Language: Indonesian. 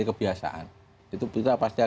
itu kita pasti akan kita membaca buku ini bisa